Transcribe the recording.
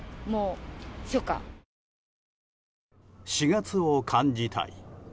４月を感じたい。